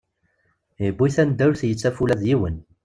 Yewwi-t anda ur t-yettaf ula d yiwen.